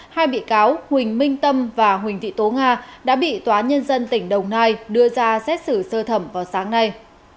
hai bị cáo huỳnh minh tâm và huỳnh thị tố nga đã bị tòa nhân dân tỉnh đồng nai đưa ra xét xử sơ thẩm vào sáng nay